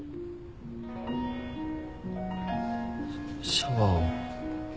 シャワーを。